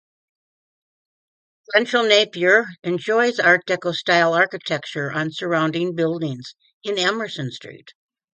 Central Napier enjoys Art Deco style architecture on surrounding buildings in Emerson Street.